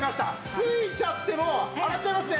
付いちゃっても洗っちゃいますね。